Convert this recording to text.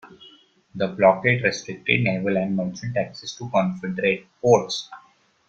The blockade restricted naval and merchant access to Confederate ports.